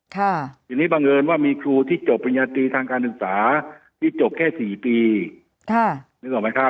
ทีนี้บังเงินว่ามีครูที่จบปริญญาตรีทางการศึกษาที่จบแค่๔ปี